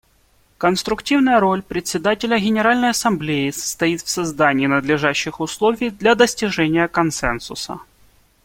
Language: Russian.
Конструктивная роль Председателя Генеральной Ассамблеи состоит в создании надлежащих условий для достижения консенсуса.